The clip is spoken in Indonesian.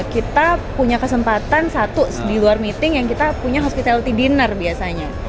kita punya kesempatan satu di luar meeting yang kita punya hospitality dinner biasanya